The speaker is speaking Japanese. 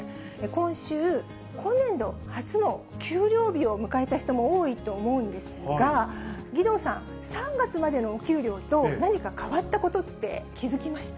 今週、今年度初の給料日を迎えた人も多いと思うんですが、義堂さん、３月までのお給料と、何か変わったことって、気付きました？